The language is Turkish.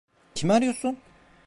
Kimi arıyorsun?